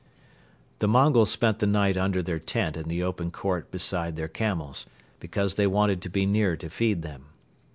The Mongols spent the night under their tent in the open court beside their camels, because they wanted to be near to feed them.